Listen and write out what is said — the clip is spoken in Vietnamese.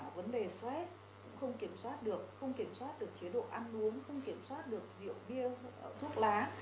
vấn đề stress cũng không kiểm soát được không kiểm soát được chế độ ăn uống không kiểm soát được rượu bia thuốc lá